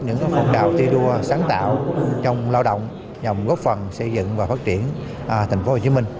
những phong trào thi đua sáng tạo trong lao động nhằm góp phần xây dựng và phát triển thành phố hồ chí minh